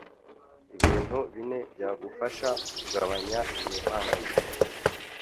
ibintu bine byagufasha kugabanya imihangayiko